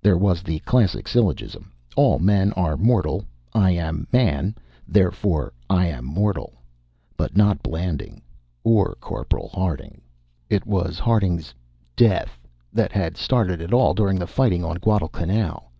There was the classic syllogism: All men are mortal; I am a man; therefore, I am mortal. But not Blanding or Corporal Harding. It was Harding's "death" that had started it all during the fighting on Guadalcanal.